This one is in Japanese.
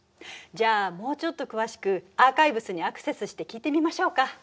じゃあもうちょっと詳しくアーカイブスにアクセスして聞いてみましょうか。